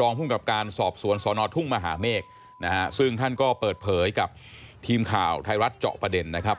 รองภูมิกับการสอบสวนสอนอทุ่งมหาเมฆนะฮะซึ่งท่านก็เปิดเผยกับทีมข่าวไทยรัฐเจาะประเด็นนะครับ